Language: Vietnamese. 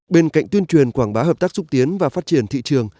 bên cạnh tuyên truyền quảng bá hợp tác xúc tiến và phát triển thị trường